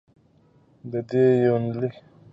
د دې يونليک پيل د خوشحال خټک په ښکلي بېت شوې